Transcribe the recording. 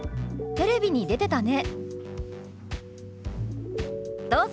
「テレビに出てたね」。